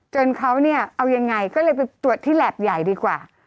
จนเขาเนี่ยเอายังไงก็เลยไปตรวจที่แหลบใหญ่ดีกว่า